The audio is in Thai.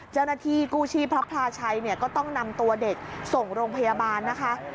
เจ้าหน้าที่กู้ชีพพระพลาชัยเนี่ยก็ต้องนำตัวเด็กส่งโรงพยาบาลนะคะ